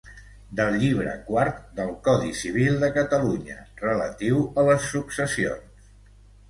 Del llibre quart del Codi civil de Catalunya, relatiu a les successions.